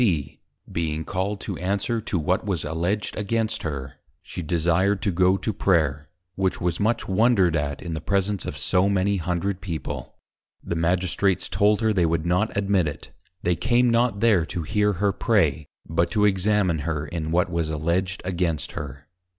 _ being called to answer to what was alledged against her, she desired to go to Prayer, which was much wondred at, in the presence of so many hundred People: The Magistrates told her, they would not admit it; they came not there to hear her Pray, but to Examine her, in what was Alledged against her.